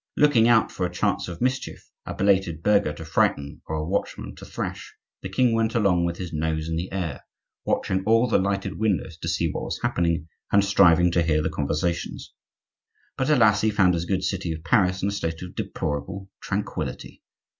Looking out for a chance of mischief,—a belated burgher to frighten, or a watchman to thrash—the king went along with his nose in the air, watching all the lighted windows to see what was happening, and striving to hear the conversations. But alas! he found his good city of Paris in a state of deplorable tranquillity.